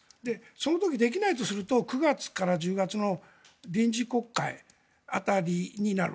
その時にできないとすると９月から１０月の臨時国会辺りになる。